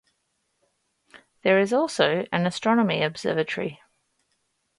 There is also an astronomy observatory.